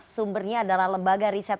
sumbernya adalah lembaga riset